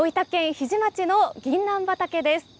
日出町のぎんなん畑です。